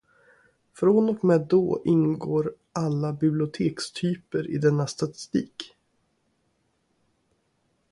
Från och med då ingår alla bibliotekstyper i denna statistik.